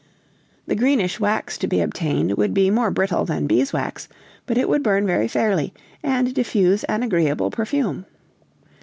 The greenish wax to be obtained would be more brittle than beeswax, but it would burn very fairly, and diffuse an agreeable perfume.